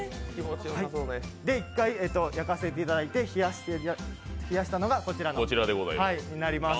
１回焼かせていただいて冷やしたのがこちらになります。